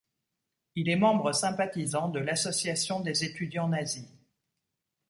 Il est membre sympathisant de l'Association des étudiants nazis.